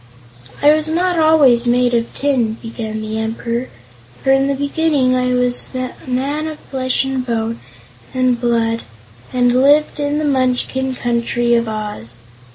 "I was not always made of tin," began the Emperor, "for in the beginning I was a man of flesh and bone and blood and lived in the Munchkin Country of Oz.